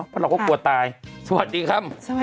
เพราะเราก็กลัวตายสวัสดีครับสวัสดีครับ